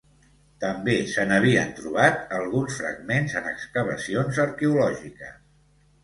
També se n'havien trobat alguns fragments en excavacions arqueològiques.